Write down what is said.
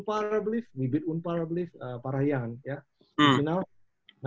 saya menang dengan parah young